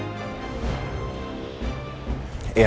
aku pasti akan cari orang itu sepeda ma